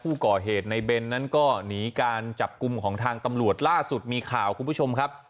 ผู้ก่อเหตุในเบนนั้นก็หนีการจับกลุ่มของทางตำรวจล่าสุดมีข่าวคุณผู้ชมครับ